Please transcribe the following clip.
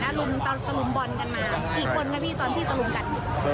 รุมตะลุมบอลกันมากี่คนคะพี่ตอนที่ตะลุมกัน